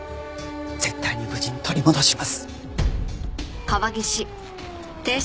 絶対に無事に取り戻します。